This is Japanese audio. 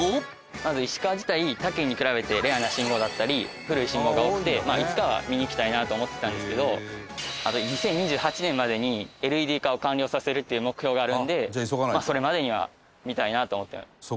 まず石川自体他県に比べてレアな信号だったり古い信号が多くていつかは見に来たいなと思ってたんですけど２０２８年までにＬＥＤ化を完了させるという目標があるのでそれまでには見たいなと思って。